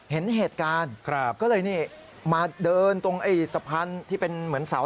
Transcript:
เห็นเหตุการณ์ก็เลยนี่มาเดินตรงไอ้สะพานที่เป็นเหมือนเสา